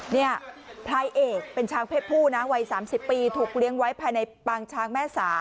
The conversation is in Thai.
นี่พลายเอกเป็นช้างเพศผู้นะวัย๓๐ปีถูกเลี้ยงไว้ภายในปางช้างแม่สา